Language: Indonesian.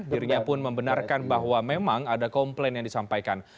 dirinya pun membenarkan bahwa memang ada komplain yang disampaikan